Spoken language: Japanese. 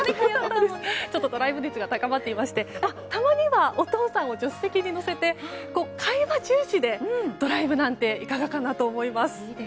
ドライブ熱が高まっていましてたまにはお父さんを助手席に乗せて、会話重視でドライブなんていかがかなと思います。